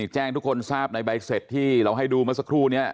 แจ้งทุกคนทราบในใบเสร็จที่เราให้ดูเมื่อสักครู่นี้